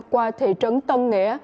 qua thị trấn tân nghĩa